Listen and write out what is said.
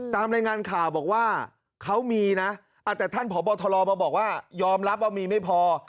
ตามรายงานข่าวบอกว่าเขามีนะแต่ท่านพบทรมาบอกว่ายอมรับว่ามีไม่พอ